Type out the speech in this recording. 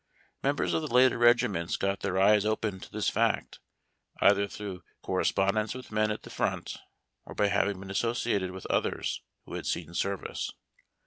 Members of the later regiments got their eyes open to this fact either through correspondence with men at the front, or by having been associated with others who had seen service.